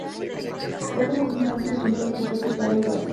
Otro representante es el pintor y arquitecto Taddeo Gaddi.